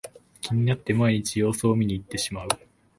気になって毎日様子を見にいってしまう